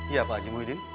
iya pak aji muhyiddin